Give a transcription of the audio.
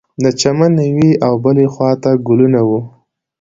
د چمن یوې او بلې خوا ته ګلونه وه.